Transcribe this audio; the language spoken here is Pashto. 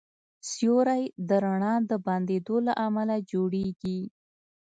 سیوری د رڼا د بندېدو له امله جوړېږي.